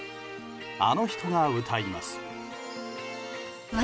あの人が歌います。